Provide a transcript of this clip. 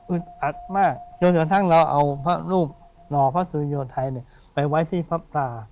อัดมากจนกระทั่งเราเอาพระรูปหล่อพระสุริโยไทยไปไว้ที่พระปรา